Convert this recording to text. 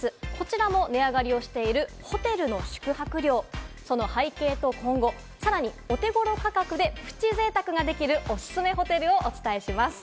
こちらも値上がりしているホテルの宿泊料、その背景と今後、さらにお手頃価格でプチ贅沢ができる、おすすめホテルをお伝えします。